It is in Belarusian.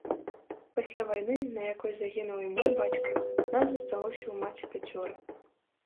Пасля вайны, на якой загінуў і мой бацька, нас засталося ў маці пяцёра.